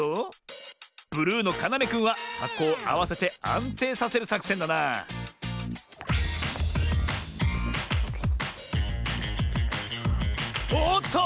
ブルーのかなめくんははこをあわせてあんていさせるさくせんだなおおっと！